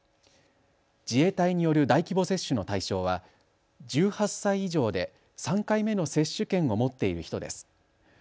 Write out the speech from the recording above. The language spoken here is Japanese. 自衛隊による大規模接種の対象は１８歳以上で３回目の接種券を持っている人です。